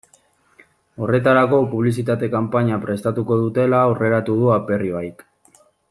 Horretarako publizitate kanpaina prestatuko dutela aurreratu du Aperribaik.